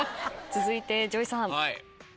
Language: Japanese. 続いてＪＯＹさん。